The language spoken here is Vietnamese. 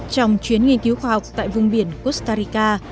trong chuyến nghiên cứu khoa học tại vùng biển costa rica